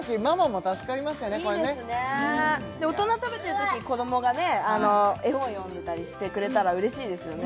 大人食べてるとき子どもがね絵本読んでたりしてくれたらうれしいですよね